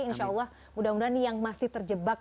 insya allah mudah mudahan yang masih terjebak